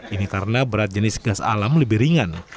ini karena berat jenis gas alam lebih ringan